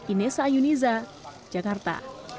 inessa ayuniza jakarta